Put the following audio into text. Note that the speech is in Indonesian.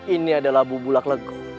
ini adalah bubulak legu